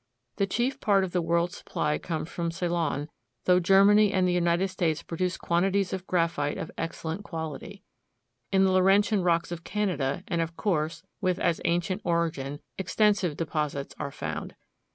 The chief part of the world's supply comes from Ceylon, though Germany and the United States produce quantities of graphite of excellent quality. In the Laurentian rocks of Canada, and of course with as ancient origin, extensive deposits are found.